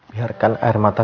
biarkan air mata